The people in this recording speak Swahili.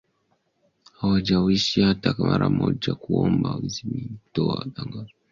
Hawajawahi hata mara moja kuomba idhini au kutoa tangazo kwa polisi